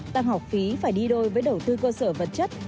tăng học phí phải đi đôi với đầu tư cơ sở vật chất